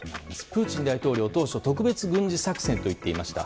プーチン大統領当初、特別軍事作戦と言っていました。